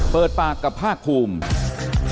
เปิดปากกับภาคภูมิ